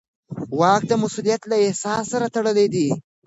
واک د مسوولیت له احساس سره تړلی دی.